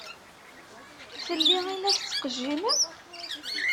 Fell-i i la tettqejjimem?